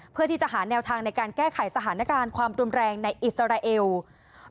เพื่อที่จะหาแนวทางในการแก้ไขสถานการณ์ความรุนแรงในอิสราเอล